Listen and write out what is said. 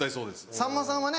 さんまさんはね